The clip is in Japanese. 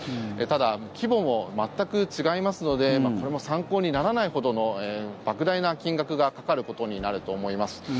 ただ、規模も全く違いますのでこれも参考にならないほどのばく大な金額がかかることになると思います。